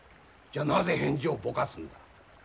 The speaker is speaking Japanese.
じゃなぜ返事をぼかすんだ。